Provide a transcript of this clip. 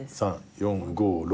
４５６。